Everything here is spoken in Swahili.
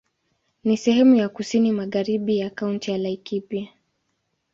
Ni sehemu ya kusini magharibi ya Kaunti ya Laikipia.